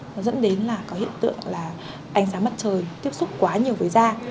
nó dẫn đến là có hiện tượng là ánh sáng mặt trời tiếp xúc quá nhiều với da